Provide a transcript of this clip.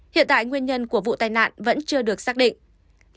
hiện tại nguyên nhân của vụ tai nạn vẫn chưa được xác định